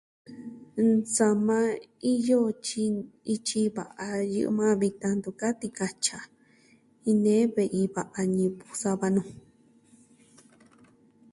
Nsama iyo jo tyi ityi va'a yɨ'ɨ majan vitan ntu ka tikatyaa jen nee ve'i va'a ñivɨ sava nuu.